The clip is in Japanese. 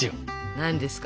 何ですか？